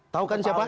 tahu kan siapa